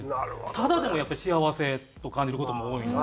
ただでもやっぱり幸せと感じる事も多いんで。